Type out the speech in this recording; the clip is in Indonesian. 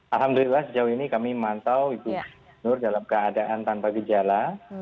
alhamdulillah sejauh ini kami memantau ibu nur dalam keadaan tanpa gejala